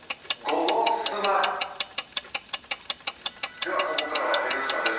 では、ここからは「Ｎスタ」です。